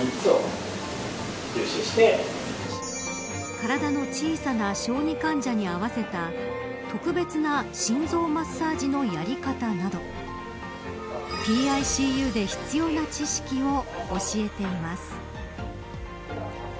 体の小さな小児患者に合わせた特別な心臓マッサージのやり方などＰＩＣＵで必要な知識を教えています。